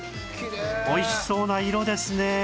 美味しそうな色ですねえ